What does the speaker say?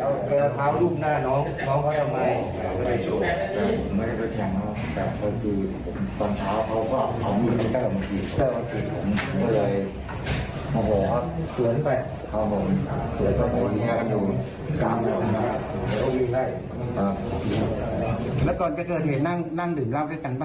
แล้วก่อนจะเกิดเหตุนั่งดื่มเหล้าด้วยกันป่